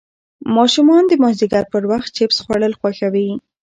ماشومان د مازدیګر پر وخت چېپس خوړل خوښوي.